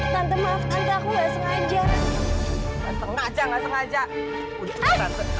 tante gak sengaja gak sengaja